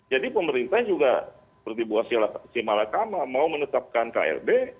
jadi pemerintah juga seperti si malakama mau menetapkan klb